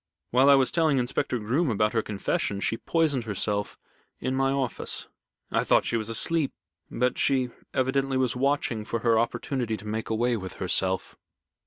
While I was telling Inspector Groom about her confession, she poisoned herself in my office. I thought she was asleep, but she evidently was watching for her opportunity to make away with herself."